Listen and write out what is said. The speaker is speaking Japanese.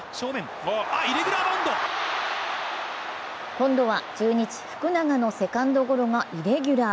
今度は中日・福永のセカンドゴロがイレギュラー。